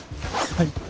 はい。